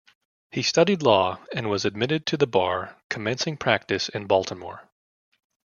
He studied law, and was admitted to the bar, commencing practice in Baltimore.